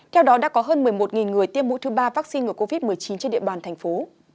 theo đó đã có hơn một mươi một người tiêm mũi thứ ba vaccine ngừa covid một mươi chín trên địa bàn thành phố